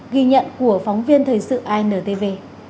ghi nhận của phóng viên thời sự antv